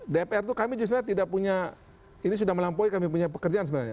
dpr itu kami justru tidak punya ini sudah melampaui kami punya pekerjaan sebenarnya